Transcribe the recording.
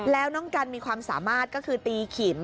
แล้วน้องกันมีความสามารถก็คือตีขิม